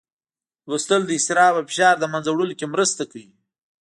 لوستل د اضطراب او فشار له منځه وړلو کې مرسته کوي